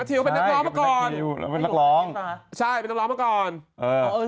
แคทิวเป็นนักลองเมื่อก่อนใช่แกล้งหนังร้องเมื่อก่อน